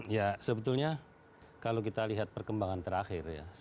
ya sebetulnya kalau kita lihat perkembangan terakhir ya